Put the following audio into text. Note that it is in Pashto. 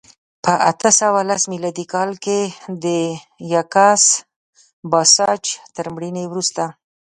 په اته سوه لس میلادي کال کې د یاکس پاساج تر مړینې وروسته